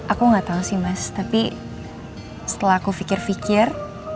aku nggak tahu sih mas tapi setelah aku pikir pikir